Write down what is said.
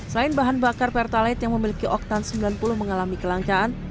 selain bahan bakar pertalite yang memiliki oktan sembilan puluh mengalami kelangkaan